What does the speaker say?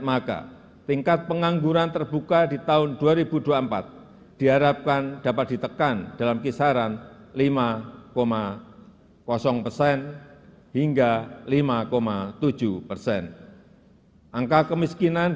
maka tingkat pengangguran terbuka di tahun dua ribu dua puluh empat diharapkan dapat ditekan dalam kisaran